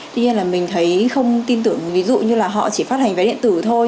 tuy nhiên là mình thấy không tin tưởng ví dụ như là họ chỉ phát hành vé điện tử thôi